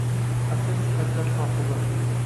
Asl sifatlar sohibi